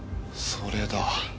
それだ。